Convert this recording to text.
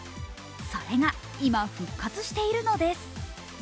それが今、復活しているのです。